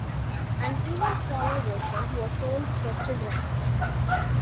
An even smaller version was sold for children.